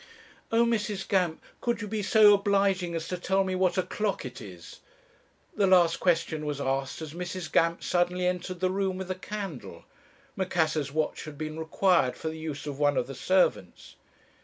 Oh, Mrs. Gamp, could you be so obliging as to tell me what o'clock it is?' The last question was asked as Mrs. Gamp suddenly entered the room with a candle. Macassar's watch had been required for the use of one of the servants.